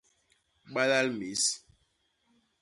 Balal mis.